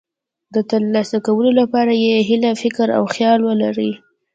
د ترلاسه کولو لپاره یې هیله، فکر او خیال ولرئ.